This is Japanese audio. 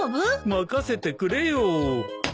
任せてくれよ。